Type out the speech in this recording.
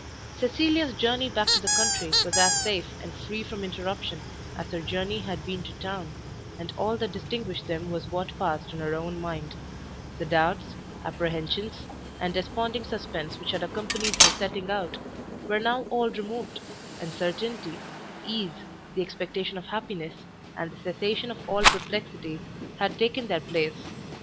Cecilia's journey back to the country was as safe and free from interruption as her journey had been to town, and all that distinguished them was what passed in her own mind: the doubts, apprehensions, and desponding suspense which had accompanied her setting out, were now all removed, and certainty, ease, the expectation of happiness, and the cessation of all perplexity, had taken their place.